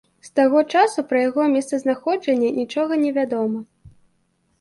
З таго часу пра яго месцазнаходжанне нічога не вядома.